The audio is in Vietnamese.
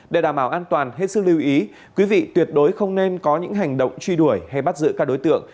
để đảm bảo an toàn hết sức lưu ý quý vị tuyệt đối không nên có những hành động truy đuổi hay bắt giữ các đối tượng